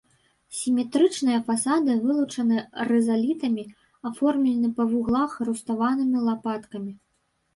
Сіметрычныя фасады вылучаны рызалітамі, аформлены па вуглах руставанымі лапаткамі.